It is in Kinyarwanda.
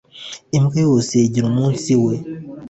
imbwa yose igira umunsi we